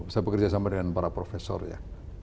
saya bekerja sama dengan para profesor ya